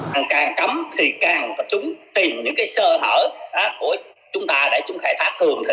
càng cấm thì càng phải chúng tìm những cái sơ hở của chúng ta để chúng khai thác thường